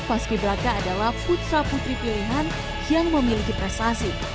paskiberaka adalah putra putri pilihan yang memiliki prestasi